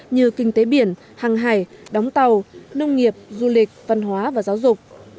như kinh tế biển hàng hải đóng tàu nông nghiệp du lịch văn hóa và giáo dục